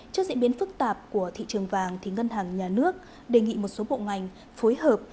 trước diễn biến phức tạp của thị trường vàng ngân hàng nhà nước đề nghị một số bộ ngành phối hợp